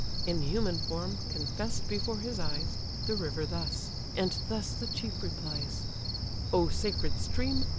In human form, confess'd before his eyes, The river thus; and thus the chief replies: "O sacred stream!